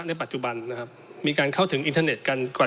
ในปัจจุบันนะครับมีการเข้าถึงอินเทอร์เน็ตกันกว่า